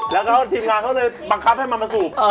แล้วก็ทีมงานเขาเลยบังคับให้มันมาสูบ